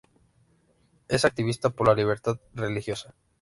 Es activista por la libertad religiosa.